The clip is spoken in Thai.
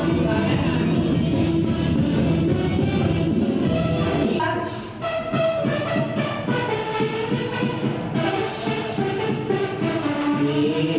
สุดท้ายก็ไม่มีเวลาที่จะรักกับที่อยู่ในภูมิหน้า